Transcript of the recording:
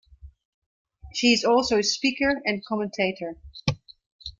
She is also a speaker and commentator.